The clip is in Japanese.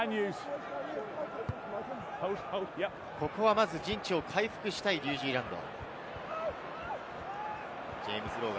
まず陣地を回復したいニュージーランド。